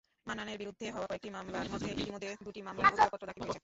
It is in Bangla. মান্নানের বিরুদ্ধে হওয়া কয়েকটি মামলার মধ্যে ইতিমধ্যে দুটি মামলায় অভিযোগপত্র দাখিল হয়েছে।